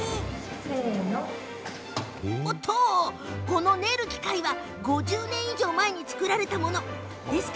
この練る機械は５０年以上前に作られたものです。